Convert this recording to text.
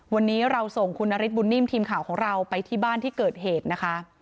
วันนี้เราส่งคุณนฤทธบุญนิ่มทีมข่าวของเราไปที่บ้านที่เกิดเหตุนะคะ